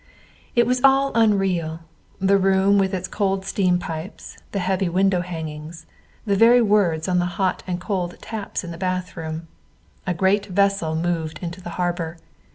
It was all unreal the room with its cold steam pipes, the heavy window hangings, the very words on the hot and cold taps in the bathroom. A great vessel moved into the harbor.